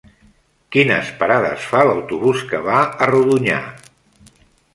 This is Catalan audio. Quines parades fa l'autobús que va a Rodonyà?